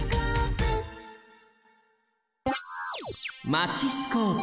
マチスコープ。